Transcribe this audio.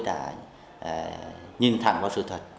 đã nhìn thẳng vào sự thật